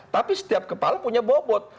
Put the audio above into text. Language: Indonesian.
tapi setiap kepala punya bobot